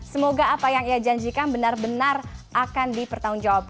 semoga apa yang ia janjikan benar benar akan dipertanggungjawabkan